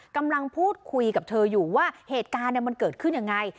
กำลังพูดคุยกับเธออยู่ว่าเหตุการณ์มันเกิดขึ้นยังไง